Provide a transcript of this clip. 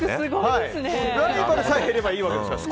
ライバルさえ減ればいいわけですから。